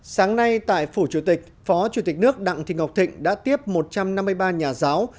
sáng nay tại phủ chủ tịch phó chủ tịch nước đặng thị ngọc thịnh đã tiếp một trăm năm mươi ba nhà giáo